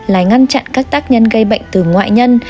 là ngăn chặn các tác nhân gây bệnh từ ngoại nhân